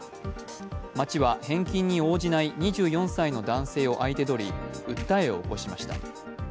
町は返金に応じない２４歳の男性を相手取り訴えを起こしました。